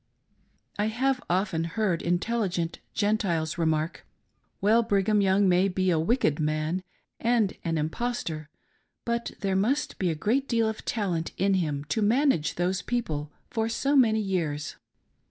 I have often heard intelligent Gentiles remark " Well, Brig ham Young may be a wicked man and an impostor, but there must be a great deal of talent in him, to manage those people for so many years."